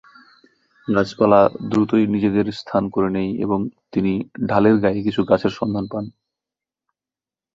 গাছপালা দ্রুতই নিজেদের স্থান করে নেয় এবং তিনি ঢালের গায়ে কিছু গাছের সন্ধান পান।